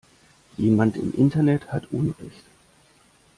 Jemand im Internet hat unrecht.